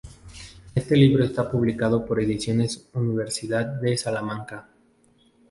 Este libro está publicado por Ediciones Universidad de Salamanca